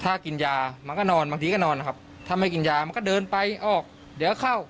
ถ้ากินยามันก็นอนบางทีก็นอนนะครับถ้าไม่กินยามันก็เดินไปออกเดี๋ยวเข้า